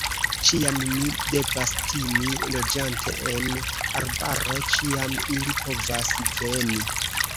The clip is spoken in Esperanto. Ĉiam mi devas timi, loĝante en arbaro, ĉiam ili povas veni!